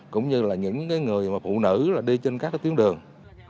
cũng như là những người mà phụ nữ đi trên các tuyến đường